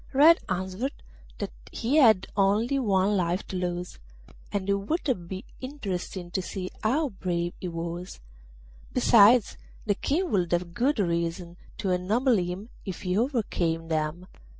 Red answered that he had only one life to lose, and it would be interesting to see how brave he was; besides, the King would have good reason to ennoble him if he overcame them.